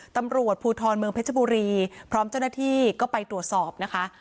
ตำรวจภูทรเมืองเพชรบุรีพร้อมเจ้าหน้าที่ก็ไปตรวจสอบนะคะ